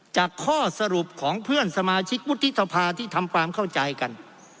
ข้อสรุปของเพื่อนสมาชิกวุฒิสภาที่ทำความเข้าใจกัน